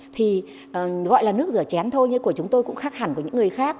thì gọi là nước rửa chén thôi nhưng của chúng tôi cũng khác hẳn của những người khác